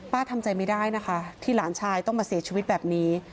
ทำใจไม่ได้นะคะที่หลานชายต้องมาเสียชีวิตแบบนี้